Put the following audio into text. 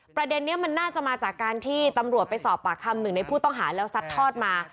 ประเด็นนี้มันน่าจะมาจากการที่ตำรวจไปสอบปากคำหนึ่งในผู้ต้องหาแล้วซัดทอดมา